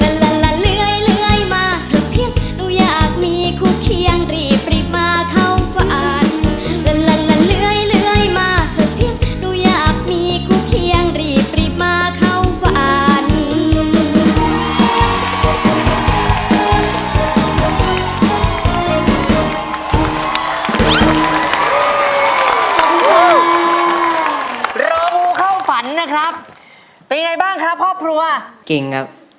ลลลลลเลื่อยเลื่อยมาเท่าเพียงหนูอยากมีคู่เคี้ยงรีบรีบมาเข้าฝัน